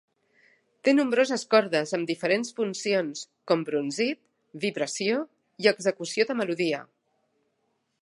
Té nombroses cordes amb diferents funcions com brunzit, vibració i execució de melodia.